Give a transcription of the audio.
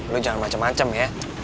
lo jangan macem macem ya